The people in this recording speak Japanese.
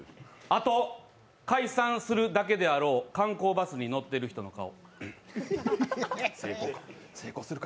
あと、解散するだけであろう観光バスに乗ってる人の顔。